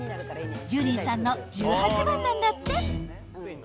ジュリーさんの十八番なんだって。